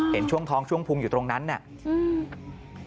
เห็นช่วงท้องช่วงพุงอยู่ตรงนั้นน่ะอืม